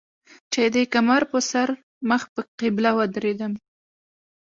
چې د کمر پۀ سر مخ پۀ قبله ودرېدم